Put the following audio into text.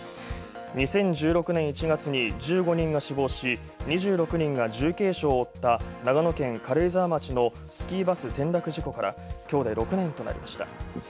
２０１６年１月に１５人が死亡し２６人が重軽傷を負った、長野県軽井沢町のスキーバス転落事故からきょうで６年となりました。